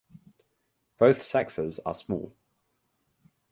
Both sexes are small.